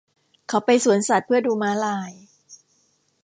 เขาไปสวนสัตว์เพื่อดูม้าลาย